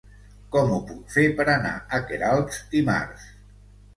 Com ho puc fer per anar a Queralbs dimarts?